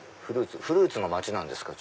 フルーツの街なんですか？